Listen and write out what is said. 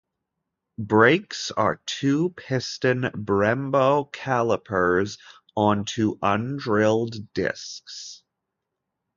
Brakes are two-piston Brembo callipers onto undrilled discs.